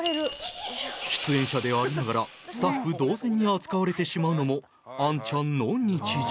出演者でありながらスタッフ同然に扱われてしまうのもアンちゃんの日常。